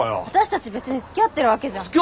私たち別につきあってるわけじゃ。